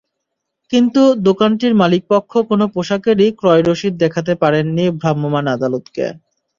কিন্তু দোকানটির মালিকপক্ষ কোনো পোশাকেরই ক্রয় রসিদ দেখাতে পারেননি ভ্রাম্যমাণ আদালতকে।